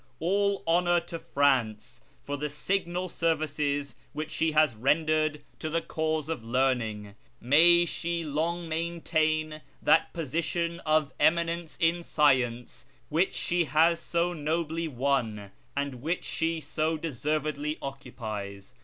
All honour to France for the signal services which she has rendered to the cause of learning ! May she long maintain that position of eminence in science which she has so nobly won, and which she so deservedly occupies